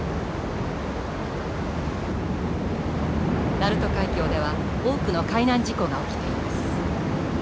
鳴門海峡では多くの海難事故が起きています。